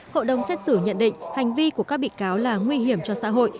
hội đồng xét xử nhận định hành vi của các bị cáo là nguy hiểm cho xã hội